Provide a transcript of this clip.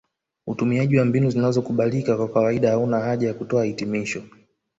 Utumiaji wa mbinu zinazokubalika kwa kawaida hauna haja ya kutoa hitimisho